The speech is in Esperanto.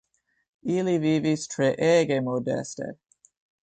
Ili vivis treege modeste.